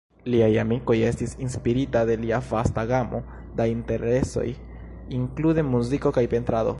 Liaj amikoj estis inspirita de lia vasta gamo da interesoj, inklude muziko kaj pentrado.